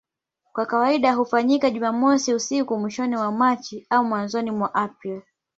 Kwa kawaida hufanyika Jumamosi usiku mwishoni mwa Machi au mwanzoni mwa Aprili.